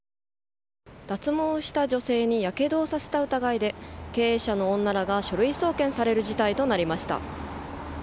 脱毛した女性にやけどをさせた疑いで経営者の女らが書類送検される事態となりました。